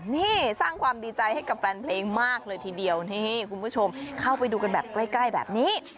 นี่สร้างความดีใจให้กับแฟนเพลงมากเลยทีเดียวนี่คุณผู้ชมเข้าไปดูกันแบบใกล้แบบนี้